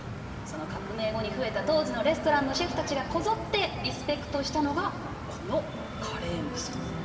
その革命後に増えた当時のレストランのシェフたちがこぞってリスペクトしたのがこのカレームさん。